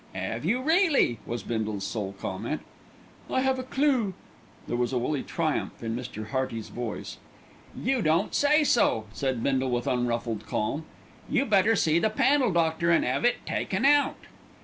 "'Ave you really!" was Bindle's sole comment. "I have a clue!" There was woolly triumph in Mr. Hearty's voice. "You don't say so!" said Bindle with unruffled calm. "You better see the panel doctor, an' 'ave it taken out."